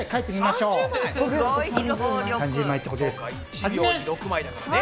１秒に６枚だからね。